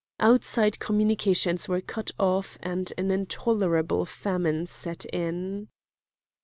Outside communications were cut off and an intolerable famine set in.